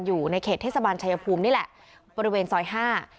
อยู่ในเขตเทศบาลชายภูมินี่แหละบริเวณซอยห้า